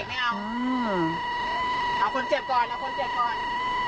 เอาคนเจ็บก่อนเอาคนเจ็บก่อน